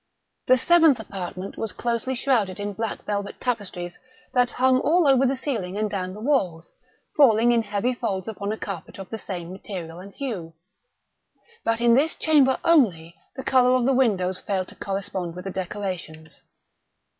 The seventh apartment was closely shrouded in black velvet tapestries that hung all over the ceiling and down the walls, falling in heavy folds upon a carpet of the same material and hue. But in this chamber only, the color of the windows failed to correspond with the decorations.